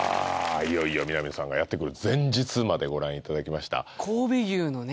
いよいよ南野さんがやって来る前日までご覧いただきました神戸牛のね